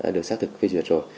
được xác thực phía trước rồi